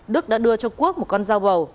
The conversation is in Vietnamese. đức đã đưa cho quốc một con dao bầu